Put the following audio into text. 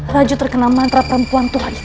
raju terkena mantra perempuan tua itu